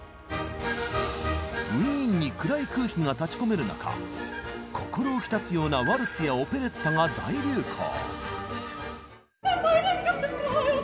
ウィーンに暗い空気が立ちこめる中心浮き立つようなワルツやオペレッタが大流行。